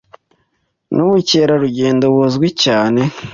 Nubukerarugendo buzwi cyane.